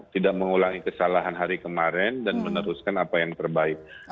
tidak mengulangi kesalahan hari kemarin dan meneruskan apa yang terbaik